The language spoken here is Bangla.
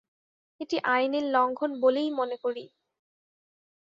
এটি আইনের লঙ্ঘন বলেই মনে করি।